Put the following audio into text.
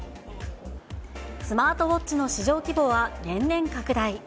スマートウオッチの市場規模は年々拡大。